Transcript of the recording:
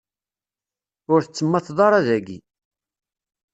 Ur tettemmateḍ ara daki.